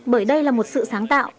bởi đây là một sự sáng tạo